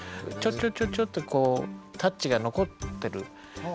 ちょちょちょちょってこうタッチが残ってる。